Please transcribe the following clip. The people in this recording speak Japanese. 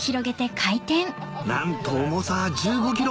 なんと重さ１５ｋｇ！